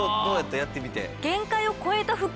やってみて。